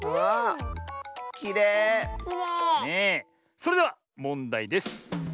それではもんだいです。